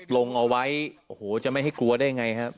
ลงเอาไว้โอ้โหจะไม่ให้กลัวได้ไงครับ